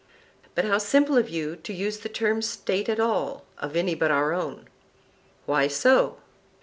But how simple of you to use the term State at all of any but our own! Why so?